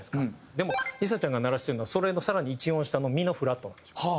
でもＬｉＳＡちゃんが鳴らしてるのはそれの更に１音下のミのフラットなんですよ。